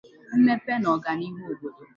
mmepe na ọganihu obodo